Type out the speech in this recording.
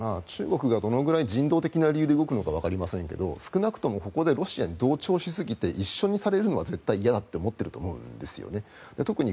中国がどのぐらい人道的な理由で動くのかわかりませんが少なくともここでロシアに同調しすぎて一緒にされるのは嫌だと思っていると思うんです。